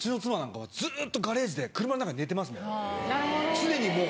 常にもう。